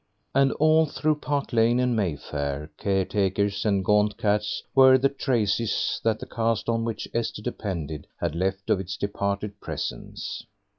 And all through Park Lane and Mayfair, caretakers and gaunt cats were the traces that the caste on which Esther depended had left of its departed presence.